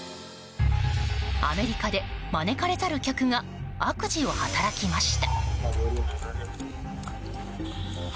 アメリカで、招かれざる客が悪事を働きました。